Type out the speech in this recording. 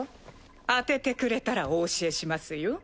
当ててくれたらお教えしますよ。